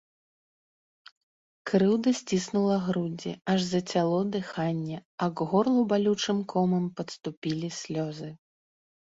Крыўда сціснула грудзі, аж зацяло дыханне, а к горлу балючым комам падступілі слёзы.